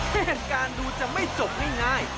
เหตุการณ์ดูจะไม่จบง่าย